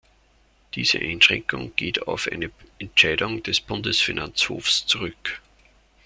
Diese Einschränkung geht auf eine Entscheidung des Bundesfinanzhofs zurück.